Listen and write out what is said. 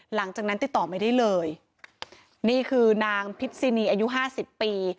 หลังจากนั้นติดต่อไม่ได้เลยนี่คือนางพิษินีอายุห้าสิบปี